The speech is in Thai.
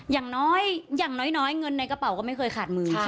อย่างน้อยอย่างน้อยเงินในกระเป๋าก็ไม่เคยขาดมือ